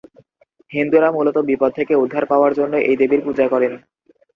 হিন্দুরা মূলত বিপদ থেকে উদ্ধার পাওয়ার জন্য এই দেবীর পূজা করেন।